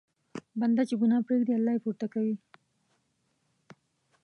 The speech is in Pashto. بنده چې ګناه پرېږدي، الله یې پورته کوي.